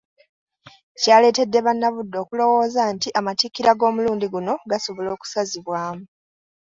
Kyaleetedde bannabuddu okulowooza nti Amatikkira g’omulundi guno gasobola okusazibwamu.